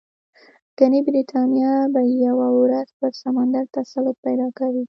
ګنې برېټانیا به یوه ورځ پر سمندر تسلط پیدا کوي.